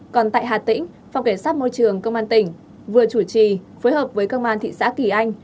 còn tại hà tĩnh phòng cảnh sát môi trường công an tỉnh vừa chủ trì phối hợp với công an thị xã kỳ anh